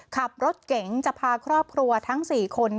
ขับรถเก๋งจะพาครอบครัวทั้ง๔คน